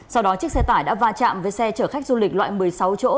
sau đó chiếc xe tải đã va chạm với xe chở khách du lịch loại một mươi sáu chỗ